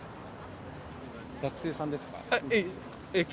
学生さんですか？